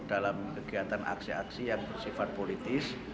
dalam kegiatan aksi aksi yang bersifat politis